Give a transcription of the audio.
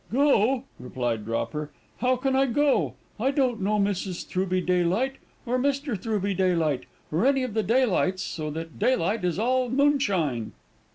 "Go," replied Dropper, "how can I go? I don't know Mrs. Throughby Daylight, or Mr. Throughby Daylight, or any of the Daylights, so that Daylight is all moonshine."